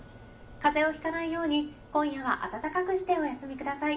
風邪をひかないように今夜は温かくしてお休みください。